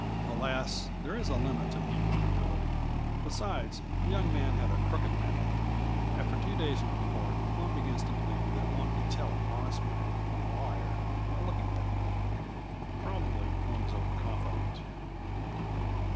Alas! there is a limit to human credulity. Besides, the young man had a crooked mouth. After two days in court, one begins to believe that one can tell an honest man from a liar by looking at him. Probably one is over confident.